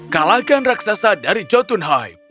kalahkan raksasa dari jotunheim